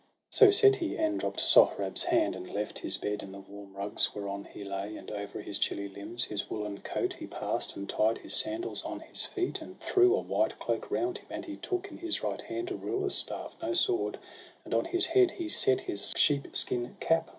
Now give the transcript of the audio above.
So said he, and dropp'd Sohrab's hand, and left His bed, and the warm rugs whereon he lay ; And o'er his chilly limbs his woollen coat He pass'd, and tied his sandals on his feet, And threw a white cloak round him, and he took In his right hand a ruler's staff, no sword ; And on his head he set his sheep skin cap.